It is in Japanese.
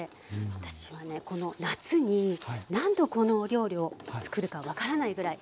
私はねこの夏に何度このお料理を作るか分からないぐらい。